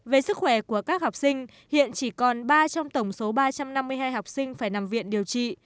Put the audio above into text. về sức khỏe của các học sinh hiện chỉ còn ba trong tổng số ba trăm năm mươi hai học sinh phải nằm viện điều trị